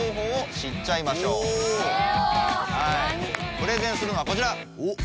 プレゼンするのはこちら！